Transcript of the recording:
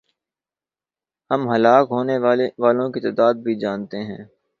ہم ہلاک ہونے والوں کی تعداد بھی جانتے ہیں۔